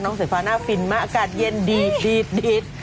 น้องสายฟ้าหน้าฟินมากอากาศเย็นดีดดีดดีด